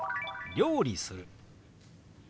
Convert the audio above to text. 料理する。